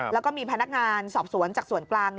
แล้วก็มีพนักงานสอบสวนจากส่วนกลาง